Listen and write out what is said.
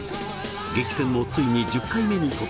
激戦もついに１０回目に突入！